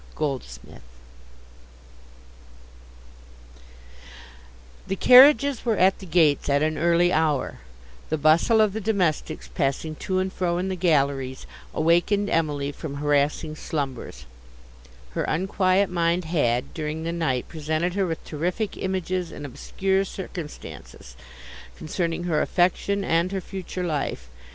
GOLDSMITH The carriages were at the gates at an early hour; the bustle of the domestics, passing to and fro in the galleries, awakened Emily from harassing slumbers: her unquiet mind had, during the night, presented her with terrific images and obscure circumstances, concerning her affection and her future life.